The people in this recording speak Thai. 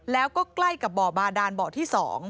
แล้วก็ใกล้กับบ่อบาดานบ่อที่๒